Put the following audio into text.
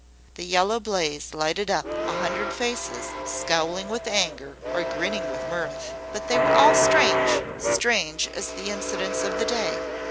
The yellow blaze lighted up a hundred faces, scowling with anger or grinning with mirth, but they were all strange strange as the incidents of the day.